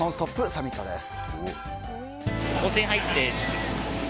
サミットです。